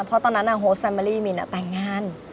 เพราะตอนนั้นโฮสแลมมารีมินแต่งงาน